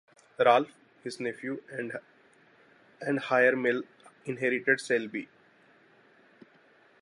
Ralph, his nephew and heir male inherited Saleby.